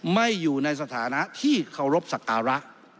ไม่อยู่ในสถานะที่เคารพสักการะ